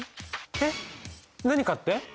えっ何かって？